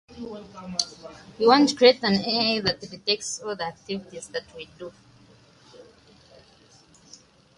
He answers to the name of Phil.